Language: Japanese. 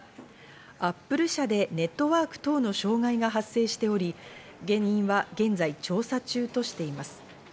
アップル社でネットワーク等の障害が発生しており原因は現在調査中としています。